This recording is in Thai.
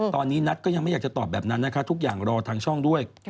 ตอนนี้นัทก็ยังไม่อยากจะตอบแบบนั้นนะคะทุกอย่างรอทางช่องด้วย